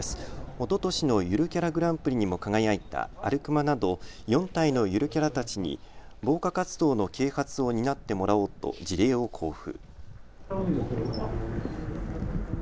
おととしのゆるキャラグランプリにも輝いたアルクマなど４体のゆるキャラたちに防火活動の啓発を担ってもらおうと辞令を交付。